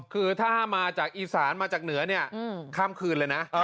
คือถ้ามาจากอีสานมาจากเหนือเนี่ยข้ามคืนเลยนะ